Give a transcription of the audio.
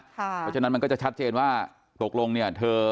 เพราะฉะนั้นมันก็จะชัดเจนว่าตกลงเนี่ยเธอ